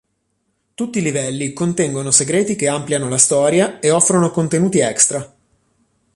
Tutti i livelli contengono segreti che ampliano la storia e offrono contenuti extra.